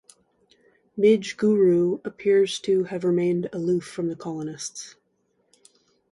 Midgegooroo appears to have remained aloof from the colonists.